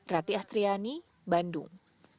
rati astriani bandung